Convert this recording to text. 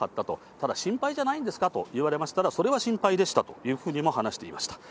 ただ、心配じゃないんですかと言われましたら、それは心配でしたというふうにも話していました。